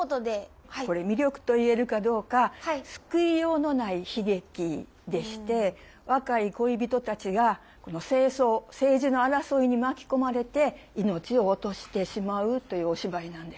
これ魅力といえるかどうか「救いようのない悲劇」でして若い恋人たちが政争政治の争いに巻き込まれて命を落としてしまうというお芝居なんです。